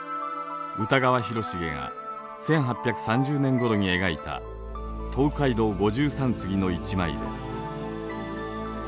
歌川広重が１８３０年ごろに描いた「東海道五十三次」の一枚です。